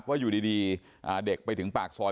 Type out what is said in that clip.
ว่าอยู่ดีเด็กไปถึงปากซอย